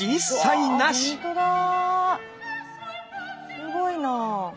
すごいな。